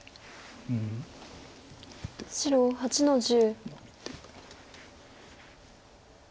白８の十。